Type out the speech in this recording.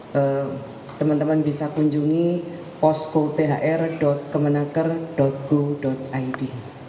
jadi teman teman bisa kunjungi posku thr kemenaker go id